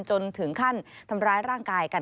จนถึงขั้นทำร้ายร่างกายกัน